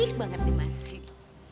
ya baik banget nih masih